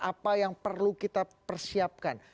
apa yang perlu kita persiapkan